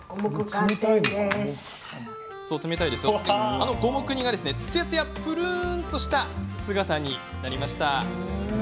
あの五目煮がつやつや、ぷるんとした姿に。